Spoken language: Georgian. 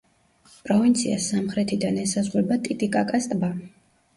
პროვინციას სამხრეთიდან ესაზღვრება ტიტიკაკას ტბა.